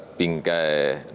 ingin mengganti negara